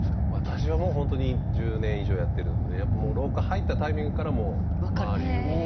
私はもう本当に１０年以上やってるので廊下入ったタイミングからもう周りを見て。